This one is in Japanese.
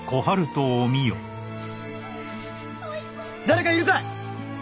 誰かいるかい！？